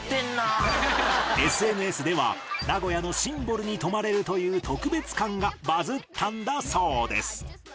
ＳＮＳでは名古屋のシンボルに泊まれるという特別感がバズったんだそうです